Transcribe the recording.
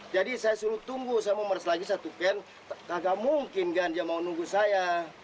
jadi saya suruh tunggu saya mau meres lagi satu can tak mungkin kan dia mau nunggu saya